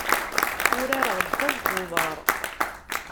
Urareɣ ddabex n uḍaṛ.